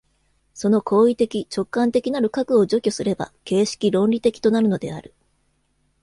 その行為的直観的なる核を除去すれば形式論理的となるのである。